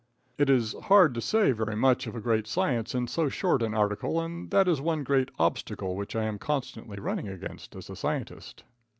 It is hard to say very much of a great science in so short an article, and that is one great obstacle which I am constantly running against as a scientist.